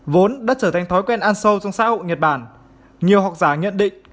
vốn đã trở thành thói quen ăn sâu trong xã hội nhật bản nhiều học giả nhận định